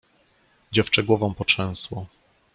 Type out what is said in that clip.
"Dziewczę głową potrzęsło."